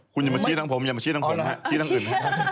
คุณอย่ามาชี้ทั้งผมอย่ามาชี้ทั้งผมนะฮะชี้ทั้งอื่น